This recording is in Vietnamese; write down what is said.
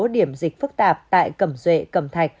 điểm dịch phức tạp tại cẩm duệ cẩm thạch